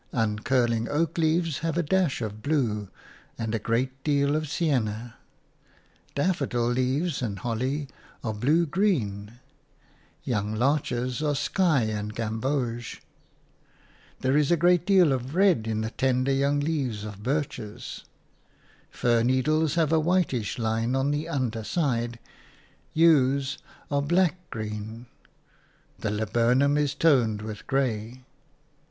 Uncurling oak leaves have a dash of blue and a great deal of sienna; daffodil leaves and holly are blue green: young larches are sky and gamboge; there is a great deal of red in the tender young leaves of birches; fir needles have a whitish line on the underside; yews are black green; the laburnum is toned with grey.